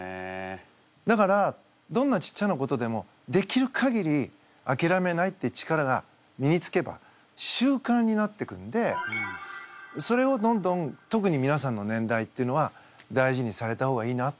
だからどんなちっちゃなことでもできるかぎりあきらめないって力が身につけば習慣になっていくんでそれをどんどん特に皆さんの年代っていうのは大事にされた方がいいなって思います。